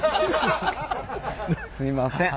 すいません。